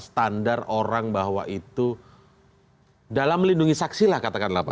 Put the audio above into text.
standar orang bahwa itu dalam melindungi saksi lah katakanlah pak